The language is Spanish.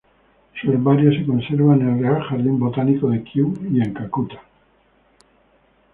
Su herbario se conserva en el Real Jardín Botánico de Kew, y en Calcuta.